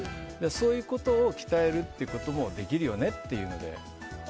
そういうことを鍛えることもできるよねというので。